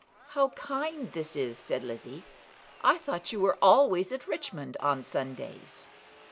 "How kind this is," said Lizzie. "I thought you were always at Richmond on Sundays."